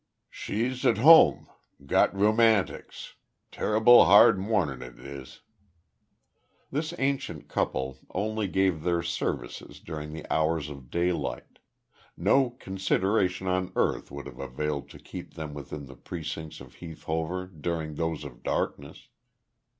"She's t'whoam. Got roomatics. Tarr'ble hard marnin' t'is." This ancient couple only gave their services during the hours of daylight; no consideration on earth would have availed to keep them within the precincts of Heath Hover during those of darkness.